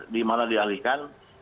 di mana dialihkan